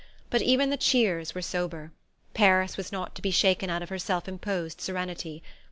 But even the cheers were sober: Paris was not to be shaken out of her self imposed serenity.